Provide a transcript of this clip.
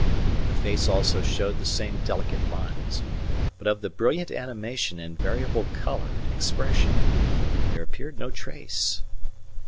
The face also showed the same delicate lines, but of the brilliant animation and variable colour and expression there appeared no trace.